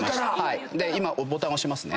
今ボタン押しますね。